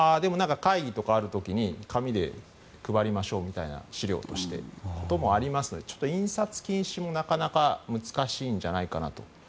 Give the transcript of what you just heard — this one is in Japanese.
会議とかある時に紙で配りましょうみたいな資料としてとかもありますので印刷禁止もなかなか難しいんじゃないかと。